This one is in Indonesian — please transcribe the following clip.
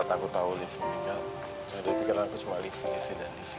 saat aku tahu livi meninggal dari pikiran aku cuma livi livi dan livi